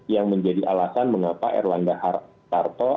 yang menjadi alasan mengapa erlangga hartarto